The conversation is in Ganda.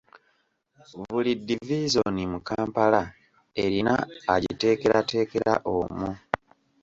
Buli diviizoni mu Kampala erina agiteekerateekera omu.